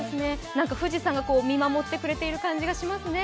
富士山が見守っている感じがしますね。